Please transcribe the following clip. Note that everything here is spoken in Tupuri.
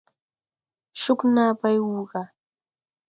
Cúg naa bay wùu gà.